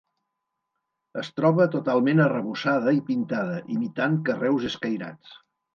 Es troba totalment arrebossada i pintada, imitant carreus escairats.